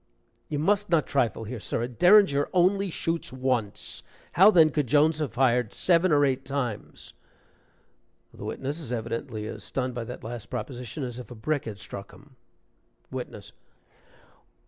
You must not trifle here, sir. A derringer only shoots once how then could Jones have fired seven or eight times?" (The witness is evidently as stunned by that last proposition as if a brick had struck him.) WITNESS.